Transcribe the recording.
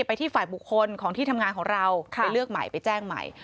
ไปที่ฝ่ายบุคคลของที่ทำงานของเราไปเลือกใหม่ไปแจ้งใหม่